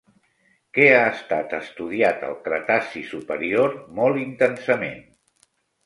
Què ha estat estudiat al Cretaci superior molt intensament?